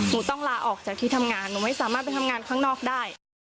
ต้องลาออกจากที่ทำงานหนูไม่สามารถไปทำงานข้างนอกได้